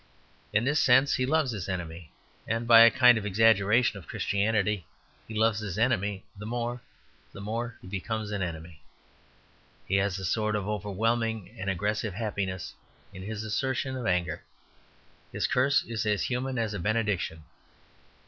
In this sense he loves his enemy, and by a kind of exaggeration of Christianity he loves his enemy the more the more he becomes an enemy. He has a sort of overwhelming and aggressive happiness in his assertion of anger; his curse is as human as a benediction.